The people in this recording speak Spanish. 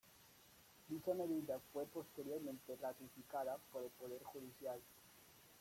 Dicha medida fue posteriormente ratificada por el Poder Judicial.